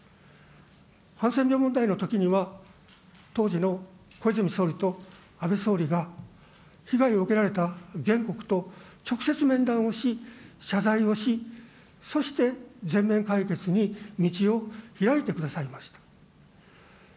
ハンセン病問題のときには、当時の小泉総理と安倍総理が被害を受けられた原告と直接面談をし、謝罪をし、そして、全面解決に道を開いてくださいました。